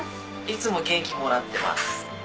いつも元気もらってます。